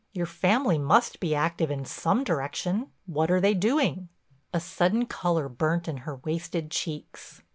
Your family must be active in some direction. What are they doing?" A sudden color burnt in her wasted cheeks.